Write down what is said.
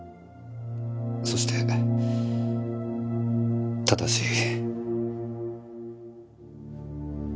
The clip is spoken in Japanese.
そして正しい。